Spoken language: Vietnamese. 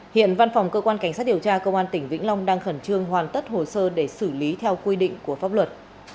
hiện văn phòng cơ quan cảnh sát điều tra công an tỉnh vĩnh long đang khẩn trương hoàn tất hồ sơ để xử lý theo quy định của pháp luật